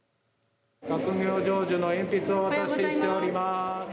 学業成就の鉛筆を配布しております。